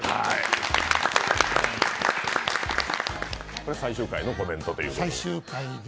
これ、最終回のコメントということで。